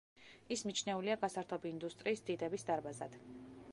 ის მიჩნეულია გასართობი ინდუსტრიის დიდების დარბაზად.